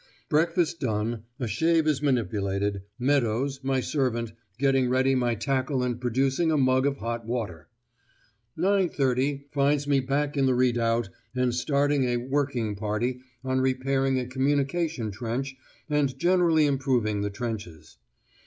Breakfast done, a shave is manipulated, Meadows, my servant, getting ready my tackle and producing a mug of hot water. 9.30 finds me back in the redoubt and starting a 'working party' on repairing a communication trench and generally improving the trenches.